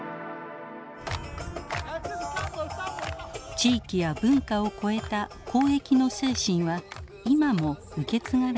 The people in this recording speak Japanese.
地域や文化を超えた交易の精神は今も受け継がれていました。